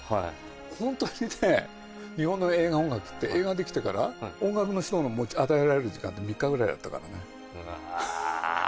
本当にね、日本の映画音楽って、映画出来てから音楽の人に与えられる時間って３日ぐらいだったかうわー。